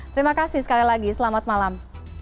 terima kasih sekali lagi selamat malam